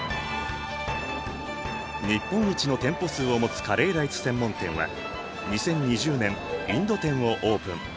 日本一の店舗数を持つカレーライス専門店は２０２０年インド店をオープン。